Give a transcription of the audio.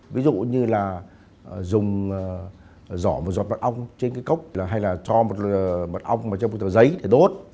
ví dụ như dùng giỏ một giọt mật ong trên cốc hay cho một giấy để đốt